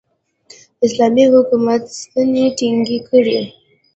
اسلامي حکومت ستنې ټینګې کړې.